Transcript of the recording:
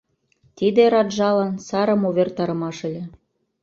Тиде раджалан сарым увертарымаш ыле.